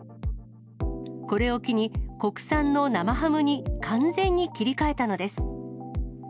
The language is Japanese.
これを機に、国産の生ハムに完全に切り替えたのです。